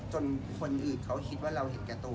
จนคนอื่นเค้าคิดว่าเราเห็นแก่ตัว